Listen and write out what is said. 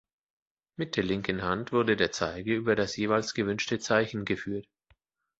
Mit der linken Hand wurde der Zeiger über das jeweils gewünschte Zeichen geführt.